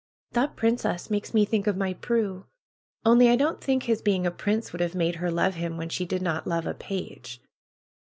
^'That princess makes me think of my Prue. Only I don't think his being a prince would have made her love him when she did not love a page."